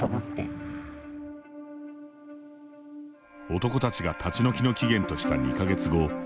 男たちが立ち退きの期限とした２か月後。